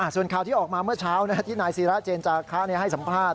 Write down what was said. ส่วนข่าวที่ออกมาเมื่อเช้าที่นายศิราเจนจาคะให้สัมภาษณ